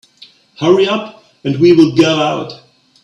Hurry up and we'll go out.